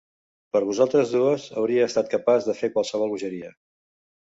Per vosaltres dues hauria estat capaç de fer qualsevol bogeria.